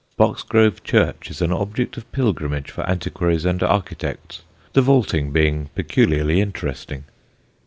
Boxgrove church is an object of pilgrimage for antiquaries and architects, the vaulting being peculiarly interesting.